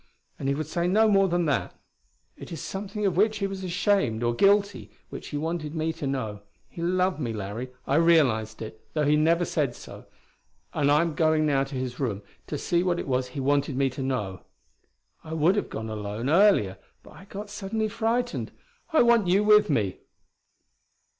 And he would say no more than that. It is something of which he was ashamed, or guilty, which he wanted me to know. He loved me, Larry. I realized it, though he never said so. And I'm going now to his room, to see what it was he wanted me to know. I would have gone alone, earlier; but I got suddenly frightened; I want you with me."